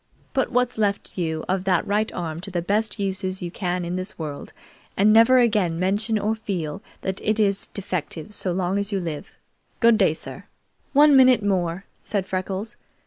Put what is left you of that right arm to the best uses you can in this world, and never again mention or feel that it is defective so long as you live. Good day, sir!" "One minute more," said Freckles.